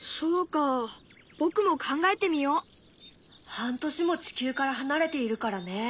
半年も地球から離れているからね。